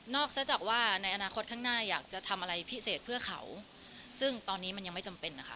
ซะจากว่าในอนาคตข้างหน้าอยากจะทำอะไรพิเศษเพื่อเขาซึ่งตอนนี้มันยังไม่จำเป็นนะคะ